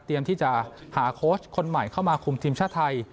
ที่จะหาโค้ชคนใหม่เข้ามาคุมทีมชาติไทย